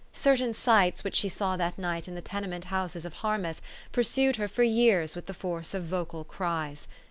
Certain sights which she saw that night in the tenement houses of Harmouth pursued her for years with the force of vocal cries.